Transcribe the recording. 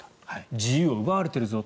自由を奪われているぞ。